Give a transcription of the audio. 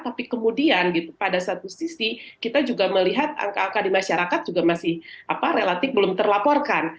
tapi kemudian pada satu sisi kita juga melihat angka angka di masyarakat juga masih relatif belum terlaporkan